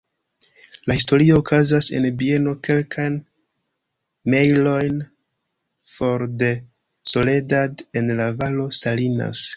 La historio okazas en bieno kelkajn mejlojn for de Soledad en la Valo Salinas.